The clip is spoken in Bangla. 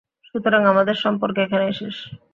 সুতরাং আমাদের সম্পর্ক এখানেই শেষ?